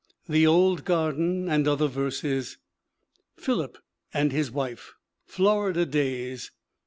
The Old Garden and Other Verses. Philip and His Wife. Florida Days.